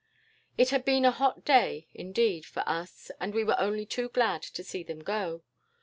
"It had been a hot day, indeed, for us, and we were only too glad to see them go.